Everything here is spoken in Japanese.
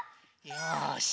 よし。